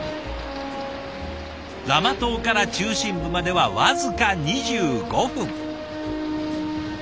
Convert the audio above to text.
ラマ島から中心部までは僅か２５分。